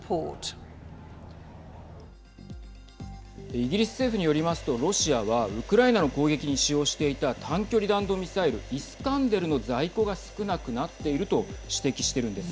イギリス政府によりますとロシアはウクライナの攻撃に使用していた短距離弾道ミサイルイスカンデルの在庫が少なくなっていると指摘してるんです。